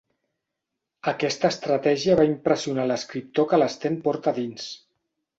Aquesta estratègia va impressionar l'escriptor que l'Sten porta dins.